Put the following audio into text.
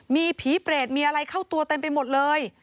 มีผีเปรตมีอะไรเข้าตัวเต็มไปหมดเลย